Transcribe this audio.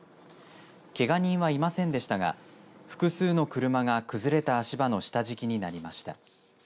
けが人はいませんでしたが複数の車が、崩れた足場の下敷きになりました。